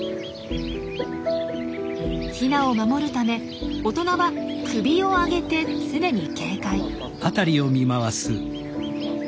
ヒナを守るため大人は首を上げて常に警戒。